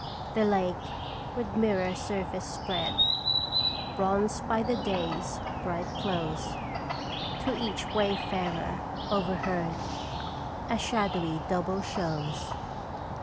" The lake, with mirror surface spread, Bronzed by the day's bright close, To each wayfarer overhead, A shadowy double shows.